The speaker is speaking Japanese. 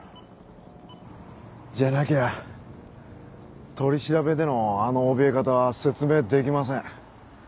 じゃなきゃ取り調べでのあのおびえ方は説明できません。